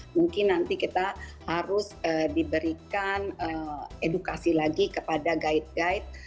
mungkin nanti kita harus diberikan edukasi lagi kepada guide guide